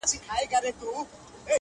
څوك مي غلا څوك مي زنا ته هڅولي -